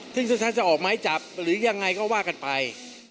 ถ้าจะออกไม้จับหรือยังไงก็หว่ากันไป